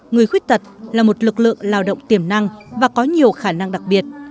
người khuyết tật là một lực lượng lao động tiềm năng và có nhiều khả năng đặc biệt